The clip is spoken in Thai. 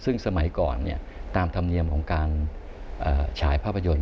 ซึ่งสมัยก่อนตามธรรมเนียมของการฉายภาพยนตร์